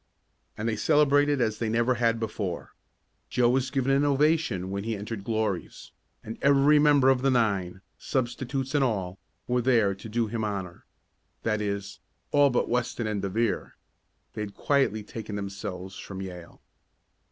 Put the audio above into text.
And they celebrated as they never had before. Joe was given an ovation when he entered Glory's, and every member of the nine substitutes and all were there to do him honor. That is, all but Weston and De Vere. They had quietly taken themselves from Yale.